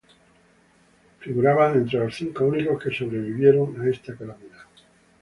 Figuraban entre los cinco únicos que sobrevivieron a esta calamidad.